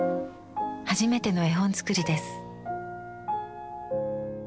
初めての絵本作りです。